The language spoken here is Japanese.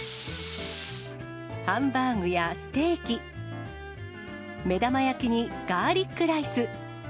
ハンバーグやステーキ、目玉焼きにガーリックライス。